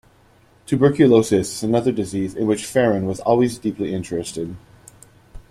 Tuberculosis is another disease in which Ferran was always deeply interested.